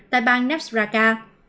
tại bang nafsraqa